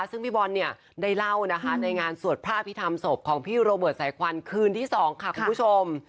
ซึ่งพี่บอลเนี่ยได้เล่านะคะในงานสวดพระอภิษฐรรมศพของพี่โรเบิร์ตสายควันคืนที่๒ค่ะคุณผู้ชม